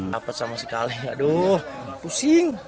dapat sama sekali aduh pusing